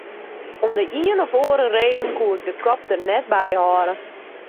Om de ien of oare reden koe ik de kop der net by hâlde.